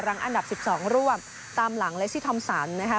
อันดับ๑๒ร่วมตามหลังเลซี่ทอมสันนะคะ